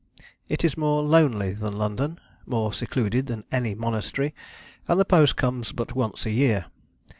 It is more lonely than London, more secluded than any monastery, and the post comes but once a year.